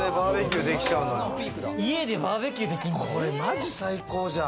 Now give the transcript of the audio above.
家でバーベキューできるの？